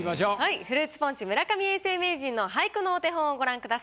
フルーツポンチ村上永世名人の俳句のお手本をご覧ください。